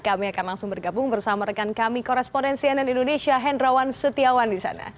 kami akan langsung bergabung bersama rekan kami korespondensi ann indonesia hendrawan setiawan di sana